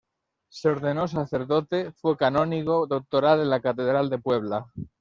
Se ordenó sacerdote, fue canónigo doctoral en la Catedral de Puebla.